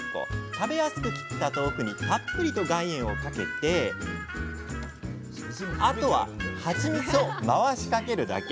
食べやすく切った豆腐にたっぷりと岩塩をかけてあとはハチミツを回しかけるだけ。